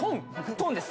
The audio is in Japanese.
トンです